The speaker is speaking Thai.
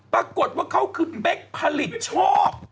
ปรากฏว่าเขาคือเป๊กผลิตโชค